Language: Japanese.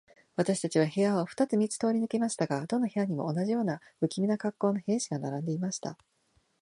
私たちは部屋を二つ三つ通り抜けましたが、どの部屋にも、同じような無気味な恰好の兵士が並んでいました。